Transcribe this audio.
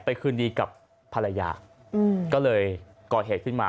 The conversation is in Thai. คืนดีกับภรรยาก็เลยก่อเหตุขึ้นมา